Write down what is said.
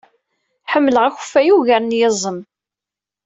Ḥemmleɣ akeffay ugar n yiẓem.